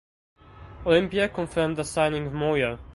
Olimpia confirmed the signing of Moya.